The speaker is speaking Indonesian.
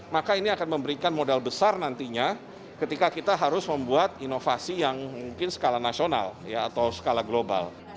maka ini akan memberikan modal besar nantinya ketika kita harus membuat inovasi yang mungkin skala nasional atau skala global